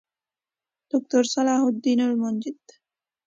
دوکتورصلاح الدین المنجد